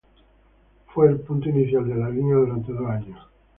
Fue el punto inicial de la línea durante dos años.